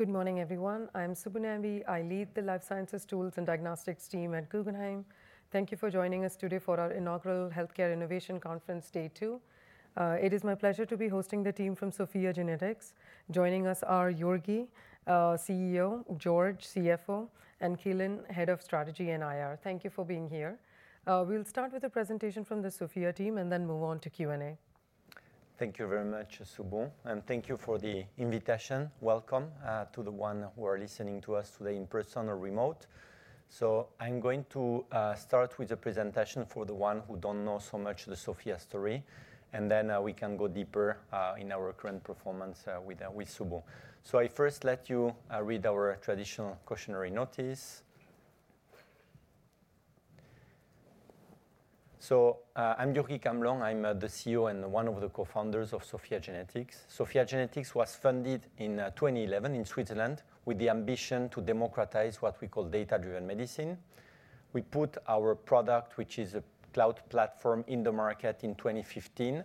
Good morning, everyone. I'm Subbu Nambi. I lead the Life Sciences Tools and Diagnostics team at Guggenheim. Thank you for joining us today for our inaugural Healthcare Innovation Conference, Day 2. It is my pleasure to be hosting the team from SOPHiA GENETICS. Joining us are Jurgi, CEO. George, CFO. And Kellen, Head of Strategy and IR. Thank you for being here. We'll start with a presentation from the SOPHiA team and then move on to Q&A. Thank you very much, Subbu, and thank you for the invitation. Welcome to the ones who are listening to us today in person or remote, so I'm going to start with a presentation for the ones who don't know so much the SOPHiA story, and then we can go deeper in our current performance with Subbu, so I first let you read our traditional cautionary notice, so I'm Jurgi Camblong. I'm the CEO and one of the co-founders of SOPHiA GENETICS. SOPHiA GENETICS was founded in 2011 in Switzerland with the ambition to democratize what we call data-driven medicine. We put our product, which is a cloud platform, in the market in 2015.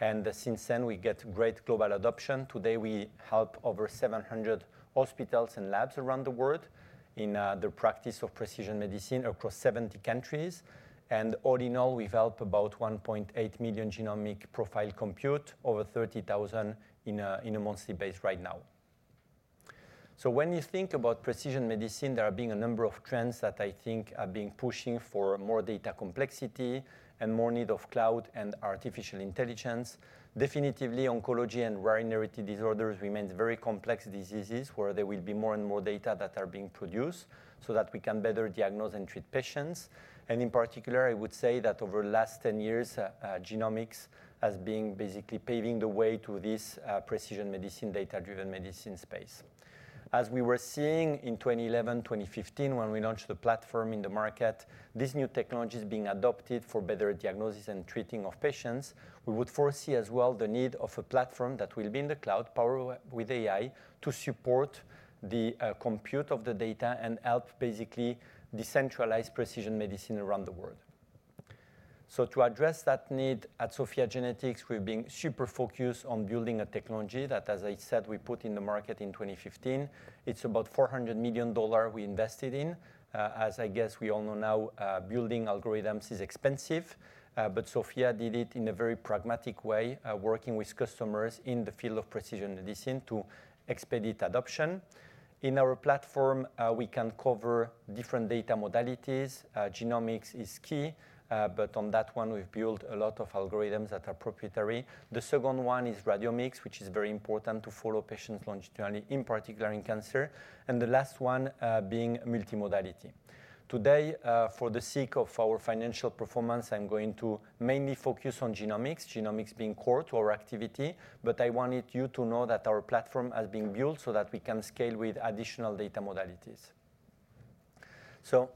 And since then, we've got great global adoption. Today, we help over 700 hospitals and labs around the world in the practice of precision medicine across 70 countries. All in all, we've helped about 1.8 million genomic profiles computed, over 30,000 on a monthly basis right now. When you think about precision medicine, there have been a number of trends that I think are being pushing for more data complexity and more need of cloud and artificial intelligence. Definitely, oncology and rare hereditary disorders remain very complex diseases where there will be more and more data that are being produced so that we can better diagnose and treat patients. In particular, I would say that over the last 10 years, genomics has been basically paving the way to this precision medicine, data-driven medicine space. As we were seeing in 2011, 2015, when we launched the platform in the market, these new technologies being adopted for better diagnosis and treating of patients, we would foresee as well the need of a platform that will be in the cloud powered with AI to support the compute of the data and help basically decentralize precision medicine around the world. So to address that need at SOPHiA GENETICS, we've been super focused on building a technology that, as I said, we put in the market in 2015. It's about $400 million we invested in. As I guess we all know now, building algorithms is expensive. But SOPHiA did it in a very pragmatic way, working with customers in the field of precision medicine to expedite adoption. In our platform, we can cover different data modalities. Genomics is key. But on that one, we've built a lot of algorithms that are proprietary. The second one is radiomics, which is very important to follow patients longitudinally, in particular in cancer. And the last one being multi-modality. Today, for the sake of our financial performance, I'm going to mainly focus on genomics, genomics being core to our activity. But I wanted you to know that our platform has been built so that we can scale with additional data modalities. So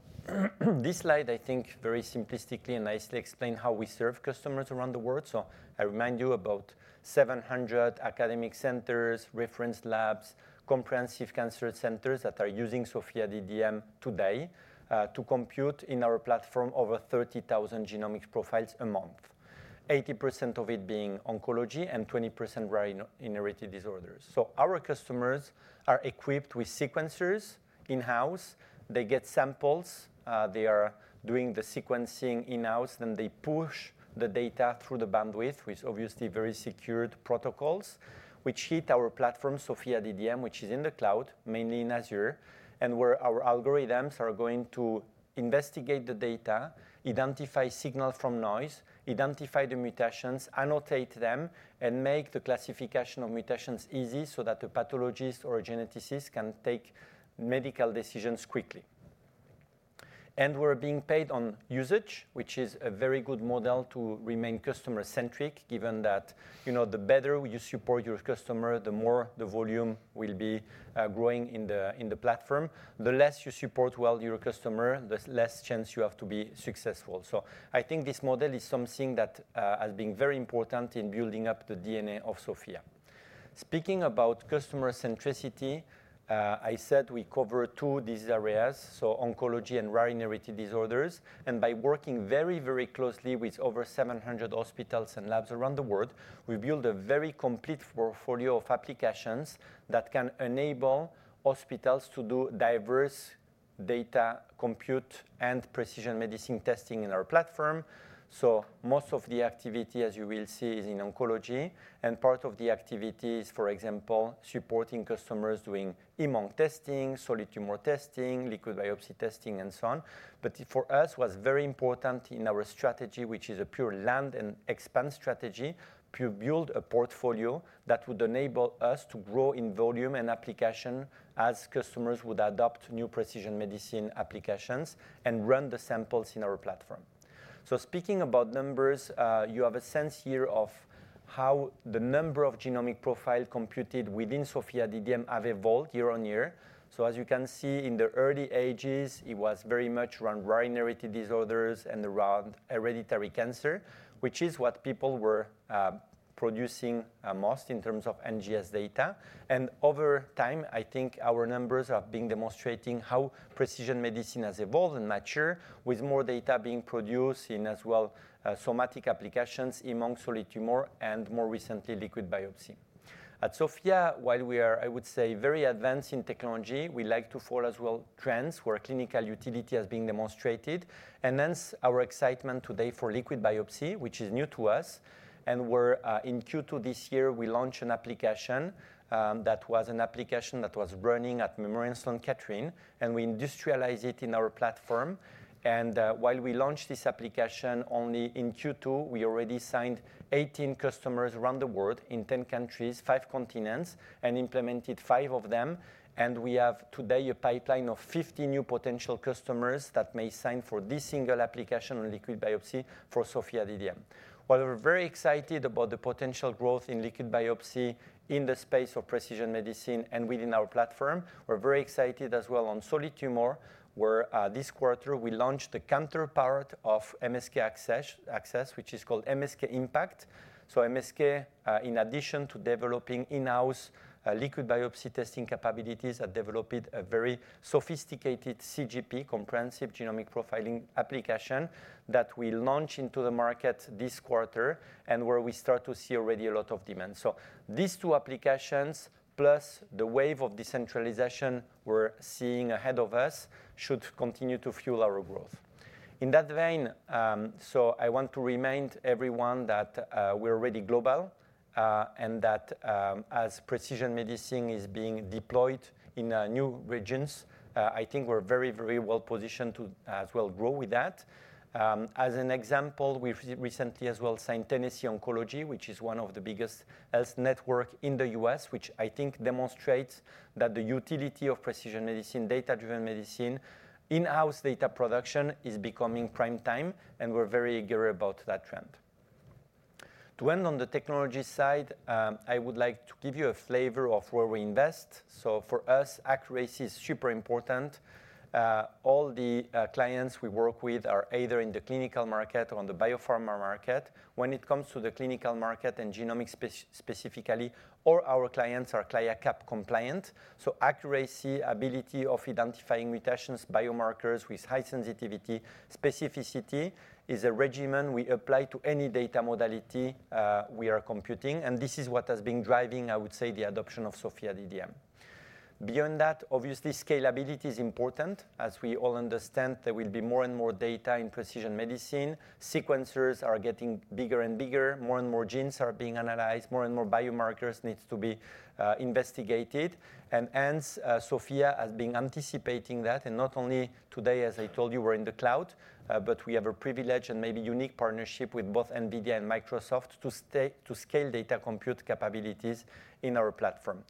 this slide, I think, very simplistically and nicely explains how we serve customers around the world. So I remind you about 700 academic centers, reference labs, comprehensive cancer centers that are using SOPHiA DDM today to compute in our platform over 30,000 genomic profiles a month, 80% of it being oncology and 20% rare hereditary disorders. So our customers are equipped with sequencers in-house. They get samples. They are doing the sequencing in-house. Then they push the data through the bandwidth with obviously very secured protocols, which hit our platform, SOPHiA DDM, which is in the cloud, mainly in Azure, and where our algorithms are going to investigate the data, identify signals from noise, identify the mutations, annotate them, and make the classification of mutations easy so that the pathologist or geneticist can take medical decisions quickly, and we're being paid on usage, which is a very good model to remain customer-centric, given that the better you support your customer, the more the volume will be growing in the platform. The less you support well your customer, the less chance you have to be successful, so I think this model is something that has been very important in building up the DNA of SOPHiA. Speaking about customer-centricity, I said we cover two of these areas, so oncology and rare hereditary disorders. And by working very, very closely with over 700 hospitals and labs around the world, we've built a very complete portfolio of applications that can enable hospitals to do diverse data compute and precision medicine testing in our platform. So most of the activity, as you will see, is in oncology. And part of the activity is, for example, supporting customers doing hematology-oncology testing, solid tumor testing, liquid biopsy testing, and so on. But for us, what's very important in our strategy, which is a pure land and expand strategy, to build a portfolio that would enable us to grow in volume and application as customers would adopt new precision medicine applications and run the samples in our platform. Speaking about numbers, you have a sense here of how the number of genomic profiles computed within SOPHiA DDM have evolved year-on-year. So as you can see, in the early ages, it was very much around rare hereditary disorders and around hereditary cancer, which is what people were producing most in terms of NGS data. And over time, I think our numbers have been demonstrating how precision medicine has evolved and matured, with more data being produced in as well somatic applications, hematology-oncology, solid tumor, and more recently, liquid biopsy. At SOPHiA, while we are, I would say, very advanced in technology, we like to follow as well trends where clinical utility has been demonstrated. And hence our excitement today for liquid biopsy, which is new to us. And in Q2 this year, we launched an application that was running at Memorial Sloan Kettering. And we industrialized it in our platform. And while we launched this application only in Q2, we already signed 18 customers around the world in 10 countries, five continents, and implemented five of them. And we have today a pipeline of 50 new potential customers that may sign for this single application on liquid biopsy for SOPHiA DDM. While we're very excited about the potential growth in liquid biopsy in the space of precision medicine and within our platform, we're very excited as well on solid tumor, where this quarter we launched the counterpart of MSK-ACCESS, which is called MSK-IMPACT. So MSK, in addition to developing in-house liquid biopsy testing capabilities, have developed a very sophisticated CGP, comprehensive genomic profiling application, that we launched into the market this quarter, and where we start to see already a lot of demand. So these two applications, plus the wave of decentralization we're seeing ahead of us, should continue to fuel our growth. In that vein, so I want to remind everyone that we're already global and that as precision medicine is being deployed in new regions, I think we're very, very well positioned to as well grow with that. As an example, we recently as well signed Tennessee Oncology, which is one of the biggest health networks in the U.S., which I think demonstrates that the utility of precision medicine, data-driven medicine, in-house data production is becoming prime time. And we're very eager about that trend. To end on the technology side, I would like to give you a flavor of where we invest. So for us, accuracy is super important. All the clients we work with are either in the clinical market or on the biopharma market. When it comes to the clinical market and genomics specifically, all our clients are CLIA/CAP compliant. So accuracy, ability of identifying mutations, biomarkers with high sensitivity, specificity is a regimen we apply to any data modality we are computing. And this is what has been driving, I would say, the adoption of SOPHiA DDM. Beyond that, obviously, scalability is important. As we all understand, there will be more and more data in precision medicine. Sequencers are getting bigger and bigger. More and more genes are being analyzed. More and more biomarkers need to be investigated. And hence, SOPHiA has been anticipating that. And not only today, as I told you, we're in the cloud, but we have a privileged and maybe unique partnership with both NVIDIA and Microsoft to scale data compute capabilities in our platform.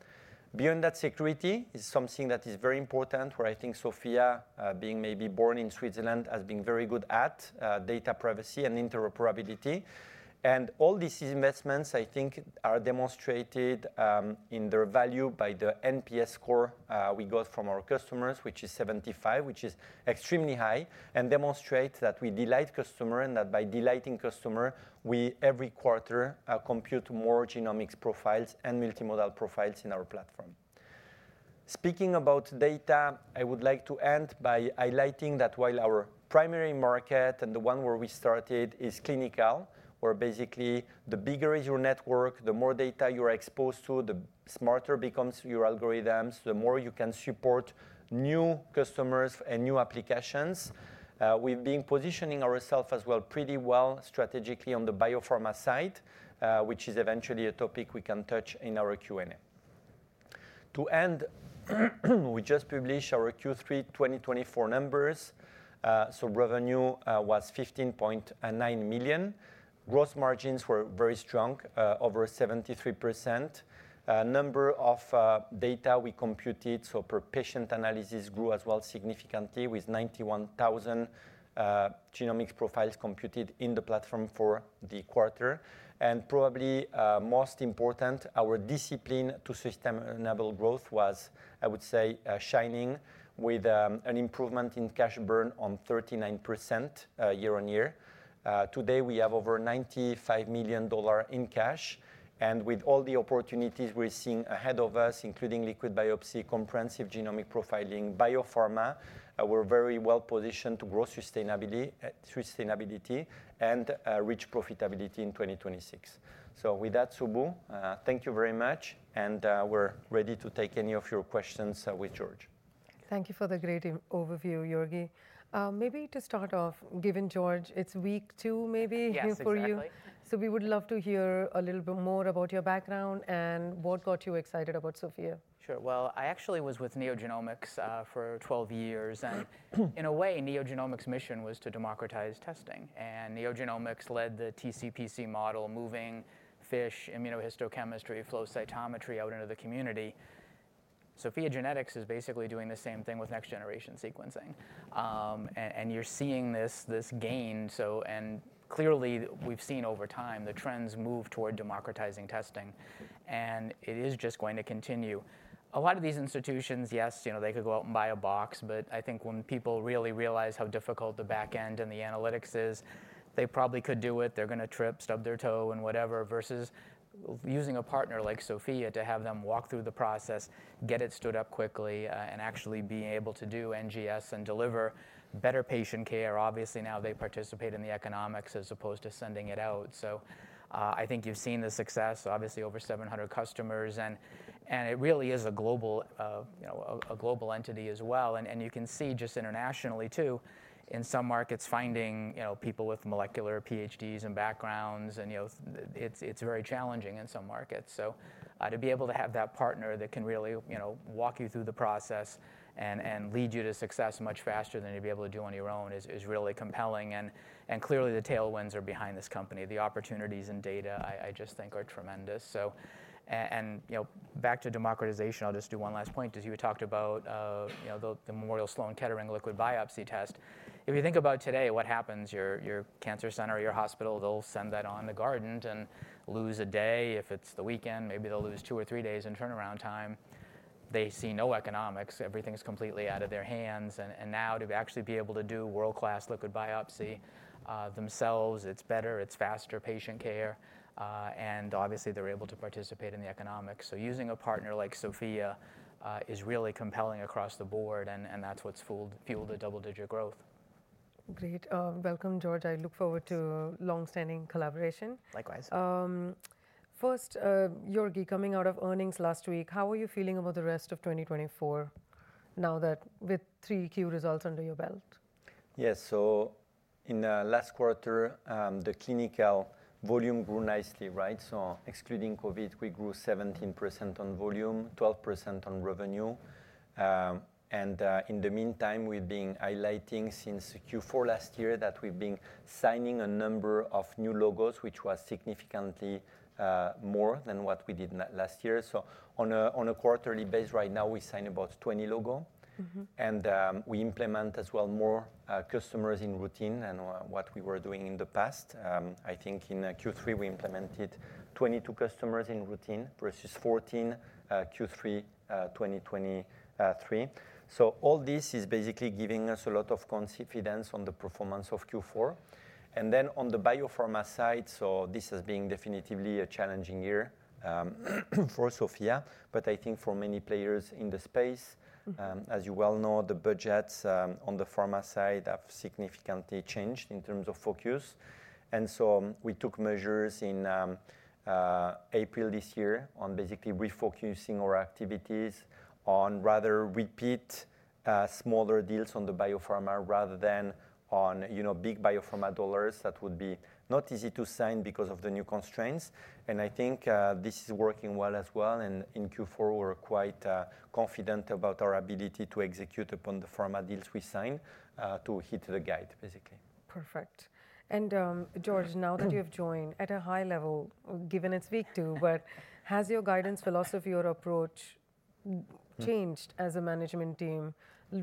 Beyond that, security is something that is very important, where I think SOPHiA, being maybe born in Switzerland, has been very good at data privacy and interoperability, and all these investments, I think, are demonstrated in their value by the NPS score we got from our customers, which is 75, which is extremely high, and demonstrates that we delight customers and that by delighting customers, we every quarter compute more genomics profiles and multi-modal profiles in our platform. Speaking about data, I would like to end by highlighting that while our primary market and the one where we started is clinical, where basically the bigger your network, the more data you're exposed to, the smarter become your algorithms, the more you can support new customers and new applications. We've been positioning ourselves as well pretty well strategically on the biopharma side, which is eventually a topic we can touch in our Q&A. To end, we just published our Q3 2024 numbers. Revenue was $15.9 million. Gross margins were very strong, over 73%. Number of data we computed, so per patient analysis, grew as well significantly with 91,000 genomics profiles computed in the platform for the quarter. Probably most important, our discipline to sustainable growth was, I would say, shining with an improvement in cash burn on 39% year-on-year. Today, we have over $95 million in cash. With all the opportunities we're seeing ahead of us, including liquid biopsy, comprehensive genomic profiling, biopharma, we're very well positioned to grow sustainability and reach profitability in 2026. With that, Subbu, thank you very much. We're ready to take any of your questions with George. Thank you for the great overview, Jurgi. Maybe to start off, given George, it's week two maybe here for you. Yes, exactly. So we would love to hear a little bit more about your background and what got you excited about SOPHiA. Sure. I actually was with NeoGenomics for 12 years. In a way, NeoGenomics' mission was to democratize testing. NeoGenomics led the TCPC model moving FISH, immunohistochemistry, flow cytometry out into the community. SOPHiA GENETICS is basically doing the same thing with next-generation sequencing. You're seeing this gain. Clearly, we've seen over time the trends move toward democratizing testing. It is just going to continue. A lot of these institutions, yes, they could go out and buy a box. But I think when people really realize how difficult the back end and the analytics is, they probably could do it. They're going to trip, stub their toe, and whatever, versus using a partner like SOPHiA to have them walk through the process, get it stood up quickly, and actually be able to do NGS and deliver better patient care. Obviously, now they participate in the economics as opposed to sending it out, so I think you've seen the success, obviously, over 700 customers, and it really is a global entity as well, and you can see just internationally, too, in some markets finding people with molecular PhDs and backgrounds, and it's very challenging in some markets, so to be able to have that partner that can really walk you through the process and lead you to success much faster than you'd be able to do on your own is really compelling, and clearly, the tailwinds are behind this company. The opportunities in data, I just think, are tremendous, and back to democratization, I'll just do one last point. As you talked about the Memorial Sloan Kettering liquid biopsy test, if you think about today, what happens? Your cancer center or your hospital, they'll send that on to Guardant and lose a day. If it's the weekend, maybe they'll lose two or three days in turnaround time. They see no economics. Everything's completely out of their hands. And now, to actually be able to do world-class liquid biopsy themselves, it's better. It's faster patient care. And obviously, they're able to participate in the economics. So using a partner like SOPHiA is really compelling across the board. And that's what's fueled the double-digit growth. Great. Welcome, George. I look forward to long-standing collaboration. Likewise. First, Jurgi, coming out of earnings last week, how are you feeling about the rest of 2024 now that with three key results under your belt? Yes. So in the last quarter, the clinical volume grew nicely, right? So excluding COVID, we grew 17% on volume, 12% on revenue. And in the meantime, we've been highlighting since Q4 last year that we've been signing a number of new logos, which was significantly more than what we did last year. So on a quarterly basis, right now, we sign about 20 logos. And we implement as well more customers in routine than what we were doing in the past. I think in Q3, we implemented 22 customers in routine versus 14 Q3 2023. So all this is basically giving us a lot of confidence on the performance of Q4. And then on the biopharma side, so this has been definitely a challenging year for SOPHiA. But I think for many players in the space, as you well know, the budgets on the pharma side have significantly changed in terms of focus. And so we took measures in April this year on basically refocusing our activities on rather repeat smaller deals on the biopharma rather than on big biopharma dollars that would be not easy to sign because of the new constraints. And I think this is working well as well. And in Q4, we're quite confident about our ability to execute upon the pharma deals we signed to hit the guide, basically. Perfect. And George, now that you have joined at a high level, given it's week two, but has your guidance philosophy or approach changed as a management team,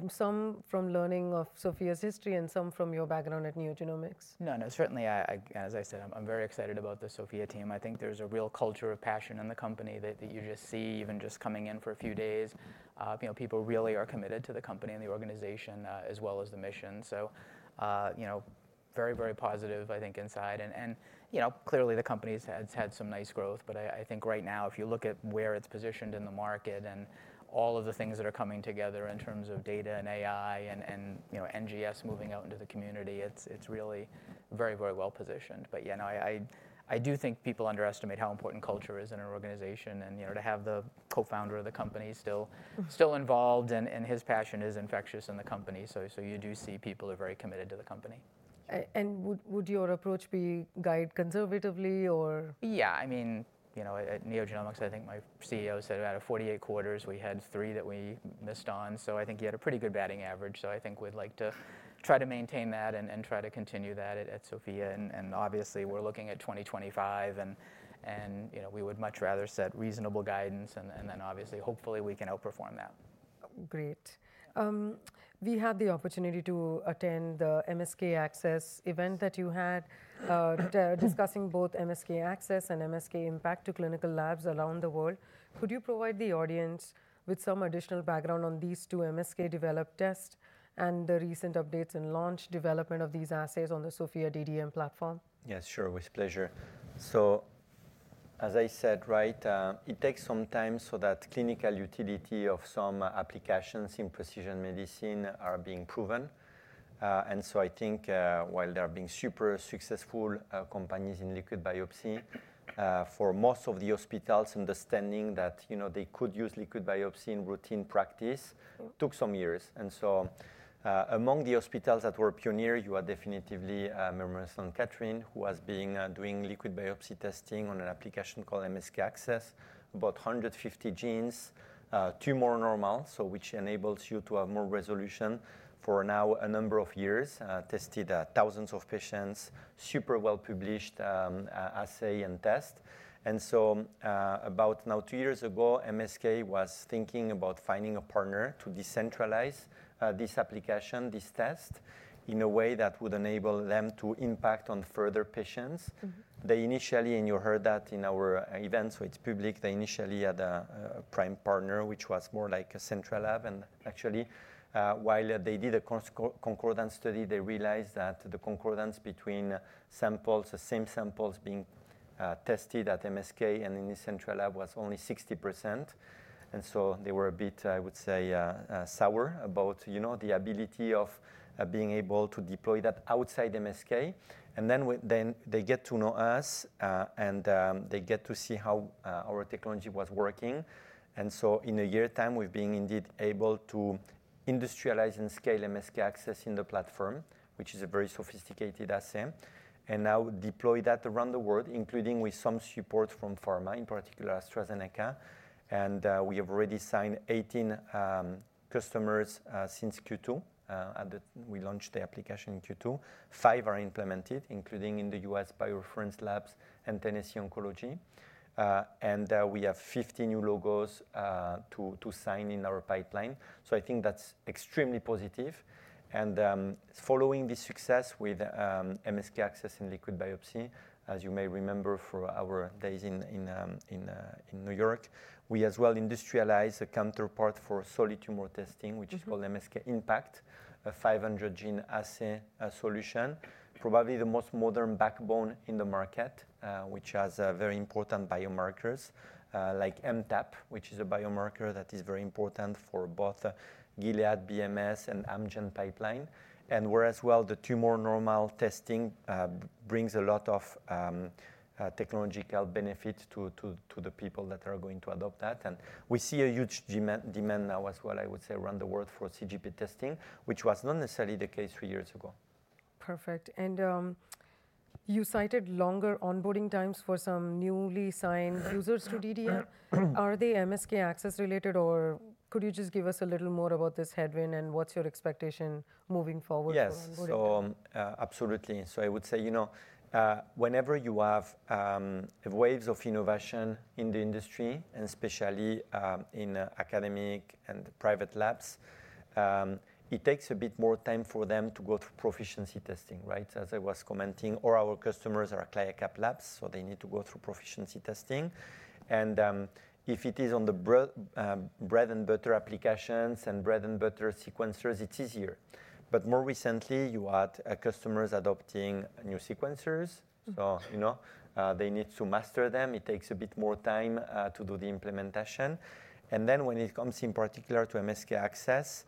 some from learning of SOPHiA's history and some from your background at NeoGenomics? No, no. Certainly, as I said, I'm very excited about the SOPHiA team. I think there's a real culture of passion in the company that you just see even just coming in for a few days. People really are committed to the company and the organization as well as the mission. So very, very positive, I think, inside. And clearly, the company has had some nice growth. But I think right now, if you look at where it's positioned in the market and all of the things that are coming together in terms of data and AI and NGS moving out into the community, it's really very, very well positioned. But yeah, I do think people underestimate how important culture is in an organization. To have the co-founder of the company still involved and his passion is infectious in the company, so you do see people are very committed to the company. Would your approach be guided conservatively, or? Yeah. I mean, at NeoGenomics, I think my CEO said out of 48 quarters, we had three that we missed on. So I think you had a pretty good batting average. So I think we'd like to try to maintain that and try to continue that at SOPHiA. And obviously, we're looking at 2025. And we would much rather set reasonable guidance. And then obviously, hopefully, we can outperform that. Great. We had the opportunity to attend the MSK-ACCESS event that you had discussing both MSK-ACCESS and MSK-IMPACT to clinical labs around the world. Could you provide the audience with some additional background on these two MSK-developed tests and the recent updates and launch development of these assets on the SOPHiA DDM platform? Yes, sure. With pleasure. So as I said, right, it takes some time so that clinical utility of some applications in precision medicine are being proven. And so I think while there are being super successful companies in liquid biopsy, for most of the hospitals, understanding that they could use liquid biopsy in routine practice took some years. And so among the hospitals that were pioneered, you are definitely Memorial Sloan Kettering, who has been doing liquid biopsy testing on an application called MSK-ACCESS, about 150 genes, tumor-normal, so which enables you to have more resolution for now a number of years, tested thousands of patients, super well-published assay and test. And so about two years ago now, MSK was thinking about finding a partner to decentralize this application, this test, in a way that would enable them to impact on further patients. They initially, and you heard that in our event, so it's public, they initially had a prime partner, which was more like a central lab, and actually, while they did a concordance study, they realized that the concordance between samples, the same samples being tested at MSK and in the central lab was only 60%, and so they were a bit, I would say, sour about the ability of being able to deploy that outside MSK, then they get to know us, and they get to see how our technology was working, so in a year's time, we've been indeed able to industrialize and scale MSK Access in the platform, which is a very sophisticated asset, and now deploy that around the world, including with some support from pharma, in particular AstraZeneca, and we have already signed 18 customers since Q2. We launched the application in Q2. Five are implemented, including in the U.S. BioReference Labs and Tennessee Oncology. And we have 50 new logos to sign in our pipeline. So I think that's extremely positive. And following the success with MSK-ACCESS in liquid biopsy, as you may remember from our days in New York, we as well industrialized a counterpart for solid tumor testing, which is called MSK-IMPACT, a 500-gene assay solution, probably the most modern backbone in the market, which has very important biomarkers like MTAP, which is a biomarker that is very important for both Gilead, BMS, and Amgen pipeline. And as well, the tumor-normal testing brings a lot of technological benefit to the people that are going to adopt that. And we see a huge demand now as well, I would say, around the world for CGP testing, which was not necessarily the case three years ago. Perfect. And you cited longer onboarding times for some newly signed users to DDM. Are they MSK Access-related, or could you just give us a little more about this headwind and what's your expectation moving forward for onboarding? Yes. So absolutely. So I would say, you know, whenever you have waves of innovation in the industry, and especially in academic and private labs, it takes a bit more time for them to go through proficiency testing, right, as I was commenting. Or our customers are a clear-cut lab, so they need to go through proficiency testing. And if it is on the bread-and-butter applications and bread-and-butter sequencers, it's easier. But more recently, you had customers adopting new sequencers. So they need to master them. It takes a bit more time to do the implementation. And then when it comes in particular to MSK-ACCESS,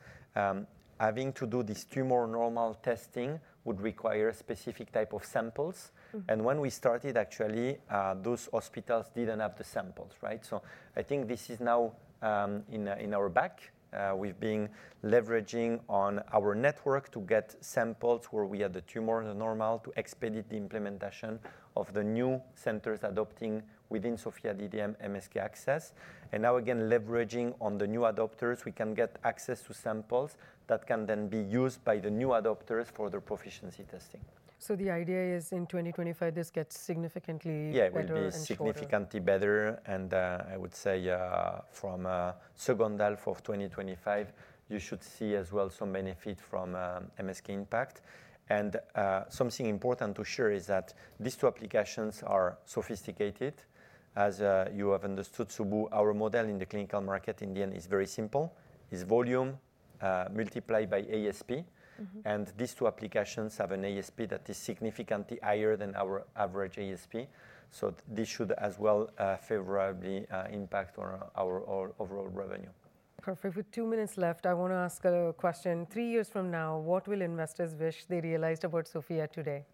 having to do these tumor-normal testing would require a specific type of samples. And when we started, actually, those hospitals didn't have the samples, right? So I think this is now in our backlog. We've been leveraging on our network to get samples where we had the tumor normal to expedite the implementation of the new centers adopting within SOPHiA DDM MSK Access. And now, again, leveraging on the new adopters, we can get access to samples that can then be used by the new adopters for their proficiency testing. So the idea is in 2025, this gets significantly better in SOPHiA? Yeah, it will be significantly better. And I would say from second half of 2025, you should see as well some benefit from MSK-IMPACT. And something important to share is that these two applications are sophisticated. As you have understood, Subbu, our model in the clinical market in the end is very simple. It's volume multiplied by ASP. And these two applications have an ASP that is significantly higher than our average ASP. So this should as well favorably impact on our overall revenue. Perfect. With two minutes left, I want to ask a question. Three years from now, what will investors wish they realized about SOPHiA today?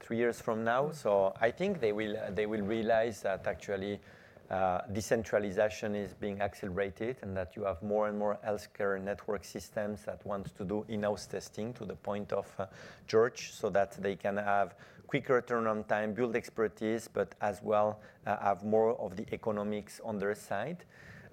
Three years from now? I think they will realize that actually decentralization is being accelerated and that you have more and more healthcare network systems that want to do in-house testing to the point of George, so that they can have quicker turnaround time, build expertise, but as well have more of the economics on their side.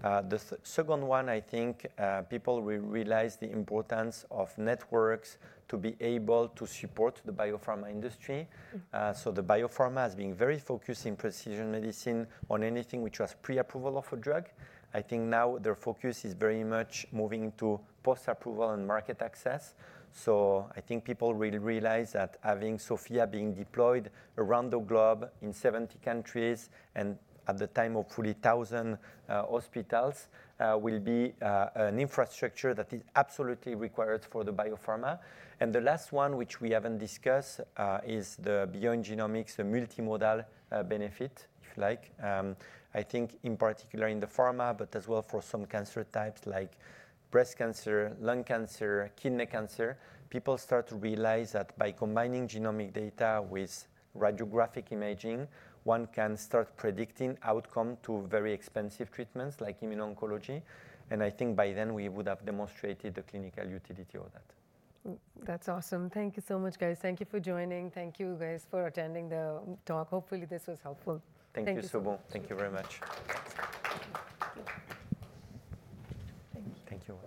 The second one, I think people will realize the importance of networks to be able to support the biopharma industry. The biopharma has been very focused in precision medicine on anything which was pre-approval of a drug. I think now their focus is very much moving to post-approval and market access. I think people will realize that having SOPHiA being deployed around the globe in 70 countries and at the time of fully 1,000 hospitals will be an infrastructure that is absolutely required for the biopharma. And the last one, which we haven't discussed, is the beyond genomics, the multimodal benefit, if you like. I think in particular in the pharma, but as well for some cancer types like breast cancer, lung cancer, kidney cancer, people start to realize that by combining genomic data with radiographic imaging, one can start predicting outcome to very expensive treatments like immuno-oncology. And I think by then we would have demonstrated the clinical utility of that. That's awesome. Thank you so much, guys. Thank you for joining. Thank you, guys, for attending the talk. Hopefully, this was helpful. Thank you, Subbu. Thank you very much. Thank you. Thank you.